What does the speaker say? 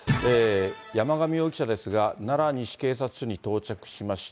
山上容疑者ですが、奈良西警察署に到着しました。